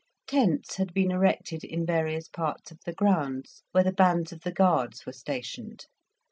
Tents had been erected in various parts of the grounds, where the bands of the Guards were stationed.